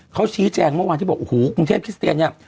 เขาชี้แจงเมื่อวานที่บอกโอ้โหกรุงเทพคริสเตียนเนี่ย